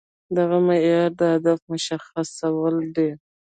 دغه معيار د هدف مشخصول دي.